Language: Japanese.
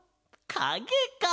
かげか。